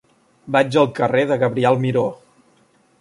Vaig al carrer de Gabriel Miró.